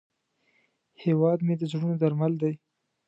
هیواد مې د زړونو درمل دی